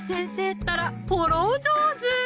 ったらフォロー上手！